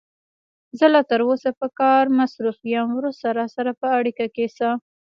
زه لا تر اوسه په کار مصروف یم، وروسته راسره په اړیکه کې شه.